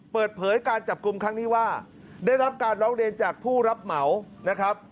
เปิดเผยการจับกลุ่มครั้งนี้ว่าได้รับการร้องเรียนจากผู้รับเหมานะครับ